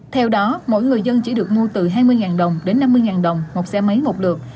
theo đó mỗi người dân chỉ được mua từ hai mươi đồng đến năm mươi đồng một xe máy một lượt